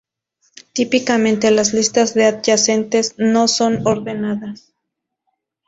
Típicamente, las listas de adyacentes no son ordenadas.